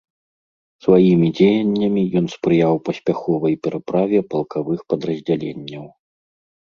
Сваімі дзеяннямі ён спрыяў паспяховай пераправе палкавых падраздзяленняў.